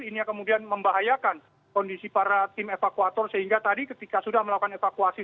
ini yang kemudian membahayakan kondisi para tim evakuator sehingga tadi ketika sudah melakukan evakuasi